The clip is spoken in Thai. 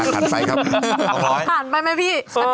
ผ่านไปไหมพี่